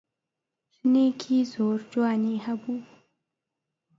ژنێکی زۆر جوانی هەبوو.